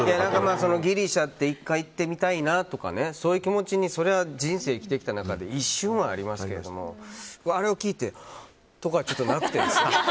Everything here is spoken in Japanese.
ギリシャって１回行ってみたいなとかそういう気持ちにそれは人生、生きてきた中で一瞬はありますけどあれを聞いてうわっとかはなくて。